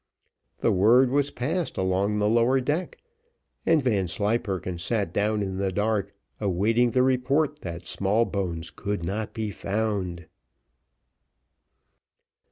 The word was passed along the lower deck, and Vanslyperken sat down in the dark, awaiting the report that Smallbones could not be found.